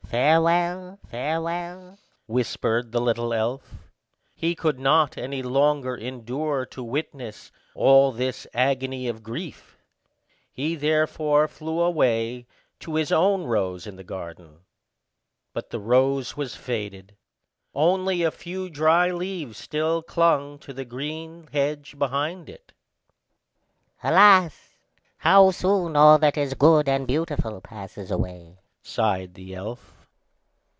"Farewell, farewell," whispered the little elf. He could not any longer endure to witness all this agony of grief, he therefore flew away to his own rose in the garden. But the rose was faded; only a few dry leaves still clung to the green hedge behind it. "Alas! how soon all that is good and beautiful passes away," sighed the elf.